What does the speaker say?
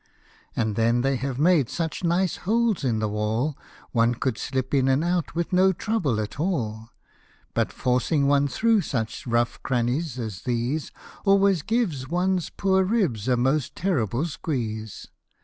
" And then they have made such nice holes in the walb One could slip in and out with no trouble at all ; But forcing one through such rough crannies as these. Always gives one's poor ribs a most terrible squeeze.